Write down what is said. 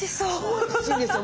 おいしいんですよ。